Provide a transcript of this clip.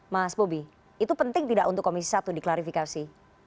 mas bobi itu penting tidak untuk komisi satu diklarifikasi